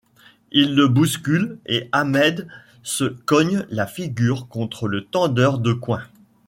Il le bouscule et Hamed se cogne la figure contre le tendeur de coin.